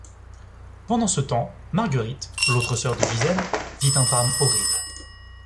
Pendant ce temps, Marguerite, l'autre sœur de Gisèle, vit un drame horrible.